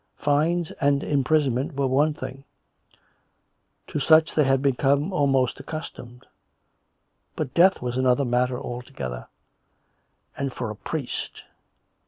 Fines and imprisonment were one thing; to such they had become almost accustomed. But death was an other matter altogether. And for a priest!